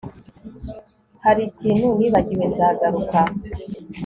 Hari ikintu nibagiwe Nzagaruka